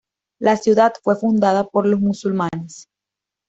La ciudad fue fundada por los musulmanes.